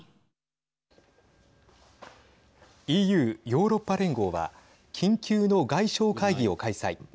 ＥＵ＝ヨーロッパ連合は緊急の外相会議を開催。